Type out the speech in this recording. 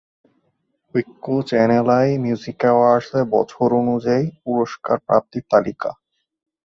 ঐক্য-চ্যানেল I music awards এ বছর অনুযায়ী পুরস্কার প্রাপ্তির তালিকা।